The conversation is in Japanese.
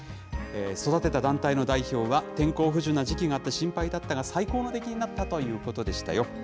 育てた団体の代表は、天候不順な時期があって心配だったが、最高の出来になったということでしたよ。